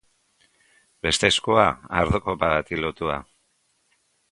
Beste eskua, ardo kopa bati lotua.